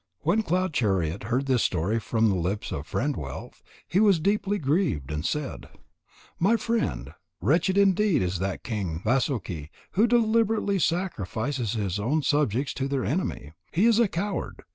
When Cloud chariot heard this story from the lips of Friend wealth, he was deeply grieved and said: "My friend, wretched indeed is that king Vasuki who deliberately sacrifices his own subjects to their enemy. He is a coward.